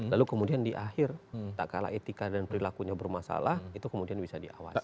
lalu kemudian di akhir tak kalah etika dan perilakunya bermasalah itu kemudian bisa diawasi